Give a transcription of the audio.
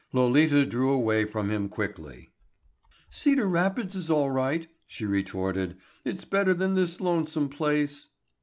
Lolita drew away from him quickly. "Cedar Rapids is all right," she retorted. "It's better than this lonesome place."